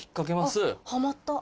はまった。